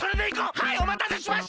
はいおまたせしました！